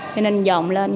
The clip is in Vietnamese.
thế nên dồn lên